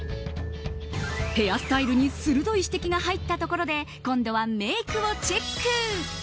ヘアスタイルに鋭い指摘が入ったところで今度はメイクをチェック。